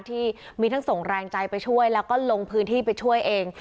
ที่มีทั้งส่งแรงใจไปช่วยแล้วก็ลงพื้นที่ไปช่วยเอง